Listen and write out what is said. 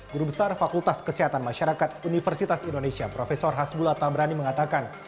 guru besar fakultas kesehatan masyarakat universitas indonesia prof hasbullah tabrani mengatakan